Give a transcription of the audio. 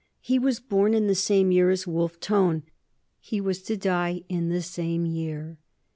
He was born in the same year as Wolfe Tone; he was to die in the same year.